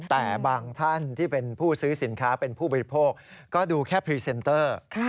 แต่บางท่านที่เป็นผู้ซื้อสินค้าเป็นผู้บริโภคก็ดูแค่พรีเซนเตอร์